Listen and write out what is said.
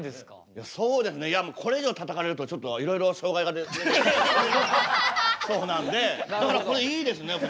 いやそうですねいやこれ以上たたかれるとちょっといろいろ障害が出てきそうなんでだからこれいいですね。